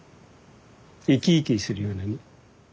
生き生きするようなね。